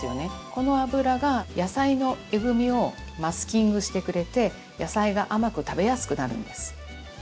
この油が野菜のえぐみをマスキングしてくれて野菜が甘く食べやすくなるんです。